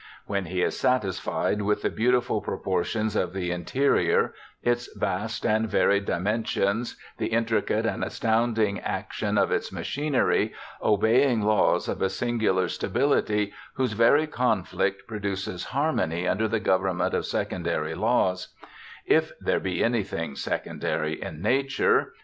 When ne is satisfied with the beautiful proportions of the interior, its vast and varied dimen sions, the intricate and astounding action of its machinery, obeying laws of a singular stability, whose very conflict produces harmony under the government of secondary AN ALABAMA STUDENT 17 laws — if there be anything secondary in nature